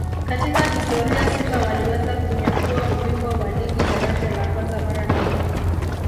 katika historia Simba waliweza kunyakua ubingwa wa ligi daraja la kwanza mara mbili